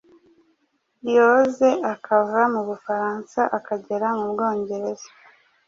yoze akava mu Bufaransa akagera mu Bwongereza